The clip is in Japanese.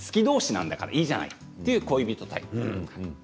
どうしなんだからいいじゃないという恋人タイプ。